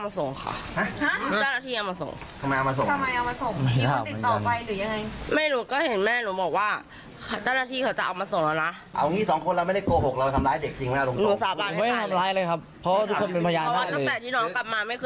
ดูซะค่ะแม่ก่อนพ่อเลี้ยงเขาอ้างแบบนี้